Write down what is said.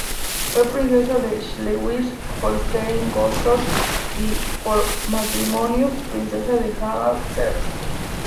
Fue princesa de Schleswig-Holstein-Gottorp y, por matrimonio, princesa de Anhalt-Zerbst.